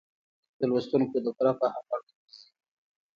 د لوستونکو د پوره فهم وړ وګرځي.